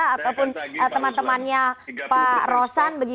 ataupun teman temannya pak rosan